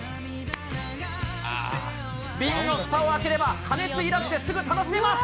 瓶のふたを開ければ、加熱いらずですぐ楽しめます。